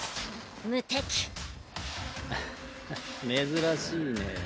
珍しいね